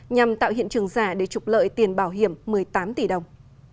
nhằm tạo hiện trường giả để trục lợi tiền bảo hiểm một mươi tám tỷ đồng